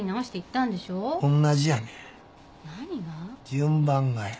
順番がや。